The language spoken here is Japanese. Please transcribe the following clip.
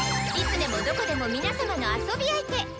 いつでもどこでも皆様の遊び相手！